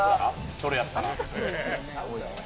それやったら。